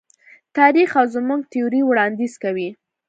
تاریخ او زموږ تیوري وړاندیز کوي.